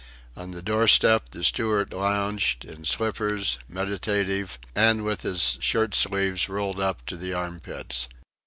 On the doorstep the steward lounged, in slippers, meditative, and with his shirt sleeves rolled up to the armpits.